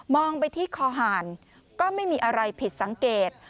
ไปที่คอหารก็ไม่มีอะไรผิดสังเกต